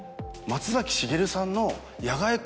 松崎しげるさんの。